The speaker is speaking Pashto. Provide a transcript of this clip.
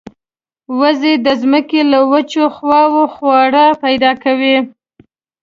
وزې د زمکې له وچو خواوو خواړه پیدا کوي